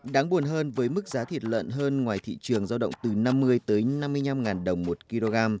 đáng buồn hơn với mức giá thịt lợn hơn ngoài thị trường giao động từ năm mươi tới năm mươi năm đồng một kg